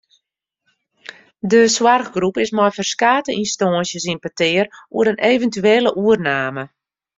De soarchgroep is mei ferskate ynstânsjes yn petear oer in eventuele oername.